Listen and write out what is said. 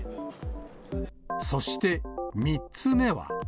そして、３つ目は。